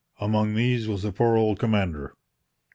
Among these was the poor old commander.